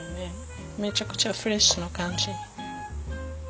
めちゃくちゃフレッシュな感じ。